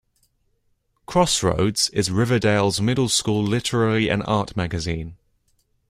"Crossroads" is Riverdale's Middle School Literary and Art Magazine.